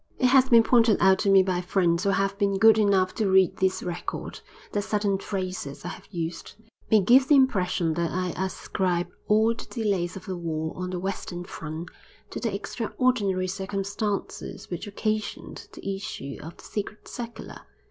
It has been pointed out to me by friends who have been good enough to read this record, that certain phrases I have used may give the impression that I ascribe all the delays of the war on the Western front to the extraordinary circumstances which occasioned the issue of the Secret Circular.